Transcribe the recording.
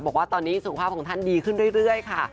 บอกว่าตอนนี้สุขภาพของท่านดีขึ้นเรื่อยค่ะ